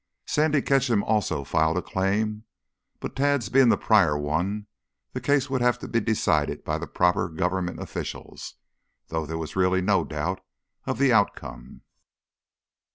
Sandy Ketcham also filed a claim, but Tad's being the prior one the case would have to be decided by the proper government officials; though there was really no doubt of the outcome.